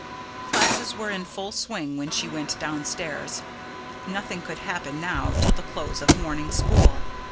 Classes were in full swing when she went downstairs; nothing could happen now till the close of morning school.